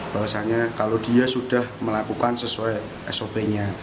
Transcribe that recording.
bahwasannya kalau dia sudah melakukan sesuai sop nya